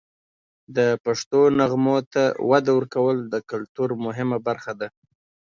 د پښتو نغمو ته وده ورکول د کلتور مهمه برخه ده.